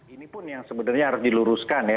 ini pun yang sebenarnya harus diluruskan ya